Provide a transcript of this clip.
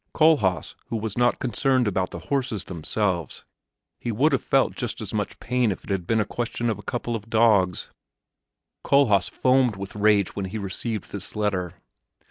Kohlhaas, who was not concerned about the horses themselves he would have felt just as much pain if it had been a question of a couple of dogs Kohlhaas foamed with rage when he received this letter.